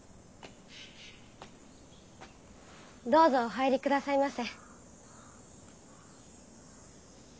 どうぞお入りくださいませ。